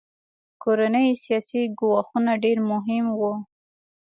کورني سیاسي ګواښونه ډېر مهم وو.